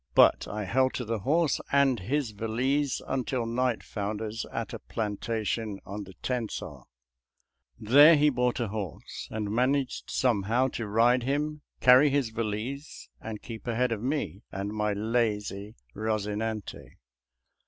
But I held to the horse and his valise until night found us at a plantation on the Tensas. There he bought a horse, and managed somehow to ride ADVENTURES EN ROUTE TO TEXAS 289 him, carry his valise, and keep ahead of me, and my Lazy Eosinante.